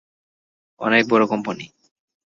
অনেক বড় কোম্পানি।